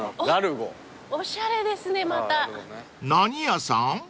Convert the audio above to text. ［何屋さん？］